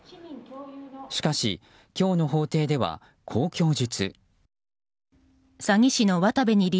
しかし、今日の法廷ではこう供述。